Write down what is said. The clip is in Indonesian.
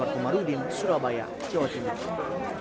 komarudin surabaya jawa timur